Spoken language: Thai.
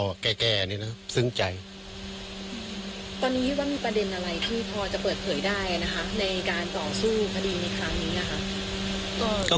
ก็ตอนนี้ว่ามีประเด็นอะไรที่พอจะเปิดเผยได้นะคะในการต่อสู้คดีในครั้งนี้นะคะ